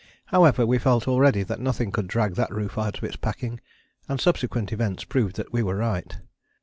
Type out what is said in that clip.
However, we felt already that nothing could drag that roof out of its packing, and subsequent events proved that we were right.